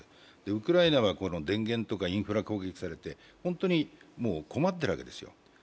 ウクライナは電源とかインフラ攻撃されて、本当に困っているわけですよ。